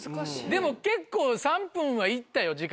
でも結構３分はいったよ時間。